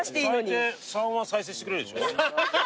最低３は再生してくれるでしょ？